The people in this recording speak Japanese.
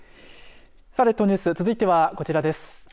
さて、列島ニュース続いては、こちらです。